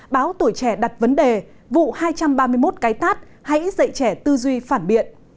báo tuổi trẻ đặt vấn đề vụ hai trăm ba mươi một cái tát hãy dạy trẻ tư duy phản biện